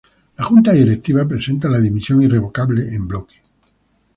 La Junta directiva presenta la dimisión irrevocable en bloque.